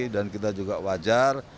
dan kita juga wajar